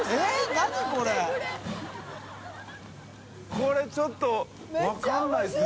海ちょっと分からないですよ。